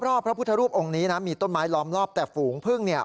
พระพุทธรูปองค์นี้นะมีต้นไม้ล้อมรอบแต่ฝูงพึ่งเนี่ย